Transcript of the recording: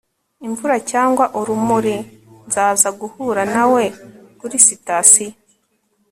imvura cyangwa urumuri, nzaza guhura nawe kuri sitasiyo